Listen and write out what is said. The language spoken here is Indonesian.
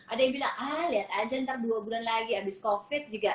ada yang bilang ah lihat aja ntar dua bulan lagi abis covid juga